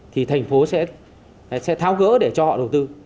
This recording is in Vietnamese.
thì thành phố sẽ tháo gỡ để cho họ đầu tư